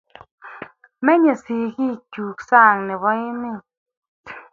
Menye sigik chuk sang nebo emet